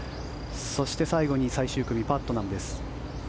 そして、最後に最終組パットナムです。